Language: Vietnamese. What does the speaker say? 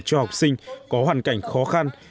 cho học sinh có hoàn cảnh khó khăn